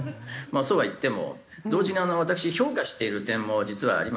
まあそうは言っても同時に私評価している点も実はありまして。